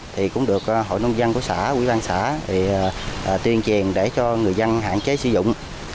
thì cũng được hội nông dân của xã quỹ ban xã tuyên truyền để cho người dân hạn chế sử dụng